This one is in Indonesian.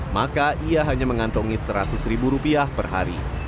maka ia hanya mengantongi seratus ribu rupiah per hari